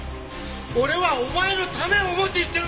俺はお前のためを思って言ってるんだ！